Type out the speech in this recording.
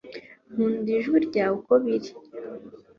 Nkunda ijwi ryawe uko biri